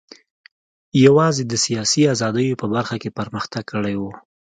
یوازې د سیاسي ازادیو په برخه کې پرمختګ کړی و.